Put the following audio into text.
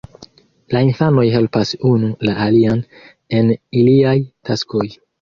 La infanoj helpas unu la alian en iliaj taskoj.